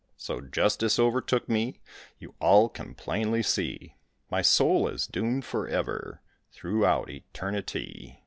So justice overtook me, You all can plainly see, My soul is doomed forever Throughout eternity.